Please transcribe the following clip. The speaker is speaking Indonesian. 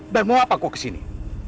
dan mau apa kau kesini